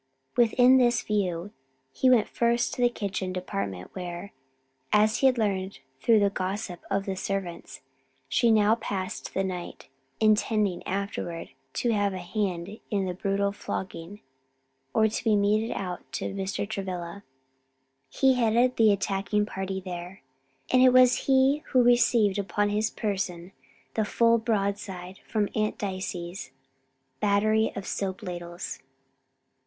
With this in view, he went first to the kitchen department where, as he had learned through the gossip of the servants, she now passed the night, intending afterward to have a hand in the brutal flogging to be meted out to Mr. Travilla. He headed the attacking party there, and it was he who received upon his person the full broadside from Aunt Dicey's battery of soap ladles.